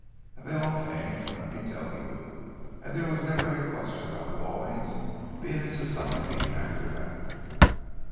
And they all came, let me tell you! And there was never any question about the Wallings being in Society after that."